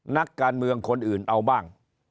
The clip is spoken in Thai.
นักการเมืองคนอื่นเอาบ้าง